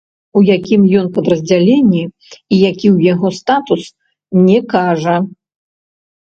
У якім ён падраздзяленні і які ў яго статус, не кажа.